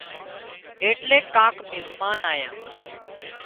ايٽليڪ ڪانڪ مزمان آيان